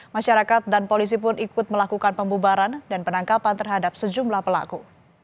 masyarakat dan polisi pun ikut melakukan pembubaran dan penangkapan terhadap sejumlah pelaku